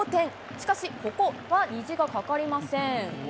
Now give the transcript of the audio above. しかし、ここは虹がかかりません。